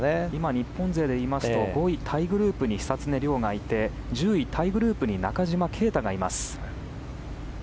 日本勢で言いますと５位タイグループに久常涼がいて１０位タイグループに中島啓太がいます。